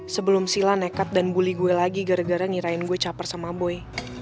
sebelum sila nekat dan bully gue lagi gara gara ngirain gue caper sama boy